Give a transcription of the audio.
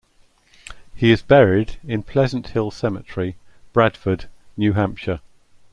He is buried in Pleasant Hill Cemetery, Bradford, New Hampshire.